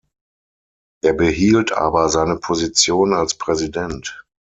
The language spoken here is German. Er behielt aber seine Position als Präsident.